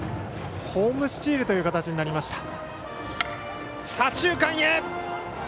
ホームスチールという形になりました。